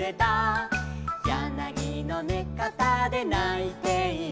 「やなぎのねかたでないている」